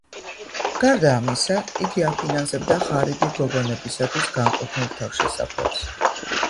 გარდა ამისა, იგი აფინანსებდა ღარიბი გოგონებისათვის განკუთვნილ თავშესაფრებს.